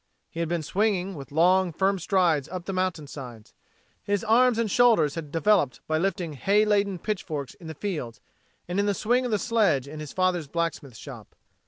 He had been swinging with long, firm strides up the mountainsides. His arms and shoulders had developed by lifting hay ladened pitchforks in the fields and in the swing of the sledge in his father's blacksmith's shop.